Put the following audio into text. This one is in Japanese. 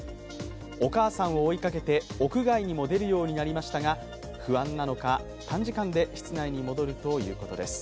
お母さんを追いかけて屋外にも出るようになりましたが不安なのか、短時間で室内に戻るということです。